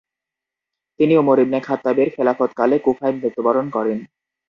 তিনি Omar ibn খাত্তাবের খেলাফতকালে কূফায় মৃত্যু বরণ করেন।